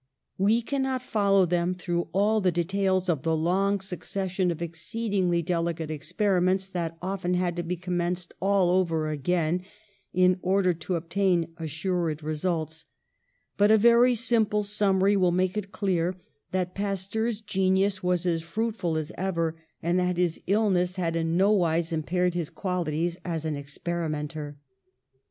We cannot follow them through all the details of the long succession of exceedingly delicate experiments that often had to be commenced all over again in order to obtain assured results ; but a very simple sum mary will make it clear that Pasteur's genius was as fruitful as ever, and that his illness had HYDROPHOBIA 163 in no wise impaired his qualities as an experi menter.